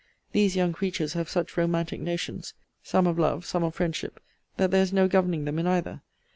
These young creatures have such romantic notions, some of life, some of friendship, that there is no governing them in either.